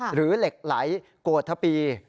หรือเหล็กไหลโกธปี